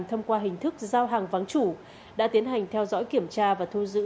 thông qua hình thức giao hàng vắng chủ đã tiến hành theo dõi kiểm tra và thu giữ